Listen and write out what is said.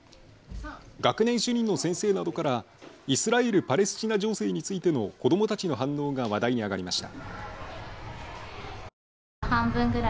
学年主任の先生などからイスラエル・パレスチナ情勢についての子どもたちの反応が話題に上がりました。